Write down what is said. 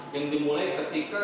yang dimulai ketika